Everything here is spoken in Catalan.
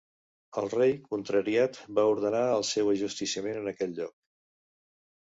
El rei, contrariat, va ordenar el seu ajusticiament en aquell lloc.